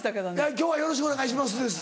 「今日はよろしくお願いします」です。